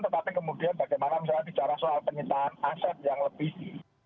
tetapi kemudian bagaimana misalnya bicara soal penyitaan aset yang lebih